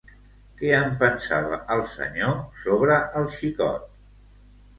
Què en pensava el senyor sobre el xicot?